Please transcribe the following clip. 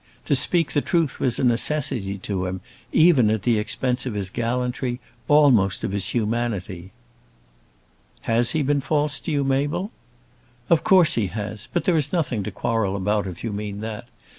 To speak the truth was a necessity to him, even at the expense of his gallantry, almost of his humanity." "Has he been false to you, Mabel?" "Of course he has. But there is nothing to quarrel about, if you mean that.